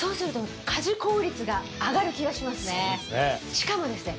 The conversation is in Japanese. しかもですね。